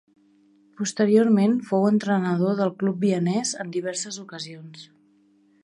Posteriorment fou entrenador del club vienès en diverses ocasions.